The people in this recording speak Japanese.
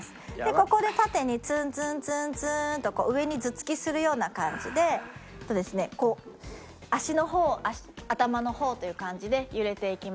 ここで縦にツンツンツンツンと上に頭突きするような感じでこう足の方頭の方という感じで揺れていきます。